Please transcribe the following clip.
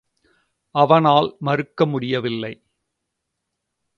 அவனால் மறுக்க முடியவில்லை.